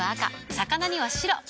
魚には白。